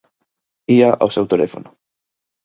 Ía ao seu teléfono.